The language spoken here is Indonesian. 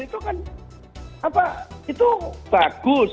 itu kan apa itu bagus